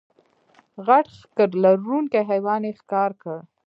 غټ ښکر لرونکی حیوان یې ښکار کړ.